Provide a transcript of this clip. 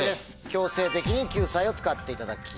強制的に救済を使っていただきます。